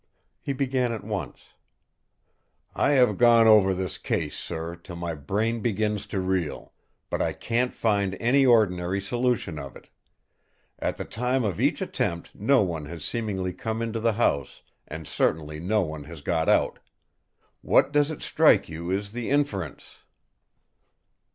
He began at once: "I have gone over this case, sir, till my brain begins to reel; but I can't find any ordinary solution of it. At the time of each attempt no one has seemingly come into the house; and certainly no one has got out. What does it strike you is the inference?"